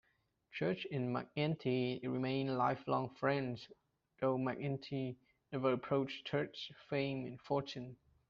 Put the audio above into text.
Church and McEntee remained lifelong friends, though McEntee never approached Church's fame and fortune.